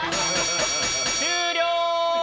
終了！